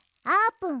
ぷん。